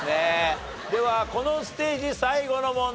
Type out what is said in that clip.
ではこのステージ最後の問題になります。